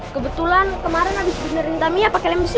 kebetulan kemarin abis bunuh rintamia pake lem besi